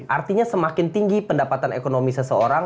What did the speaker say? artinya semakin tinggi pendapatan ekonomi seseorang